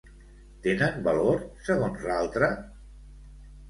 Tenen valor, segons l'altre?